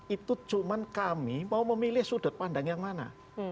itu cuma kami mau memilih sudut pandang yang mana